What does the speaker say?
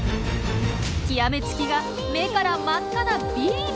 極め付きが目から真っ赤なビーム！